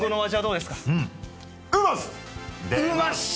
うまし！